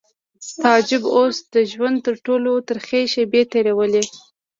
تعجب اوس د ژوند تر ټولو ترخې شېبې تېرولې